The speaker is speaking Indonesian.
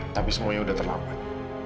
tapi semuanya sudah terlambat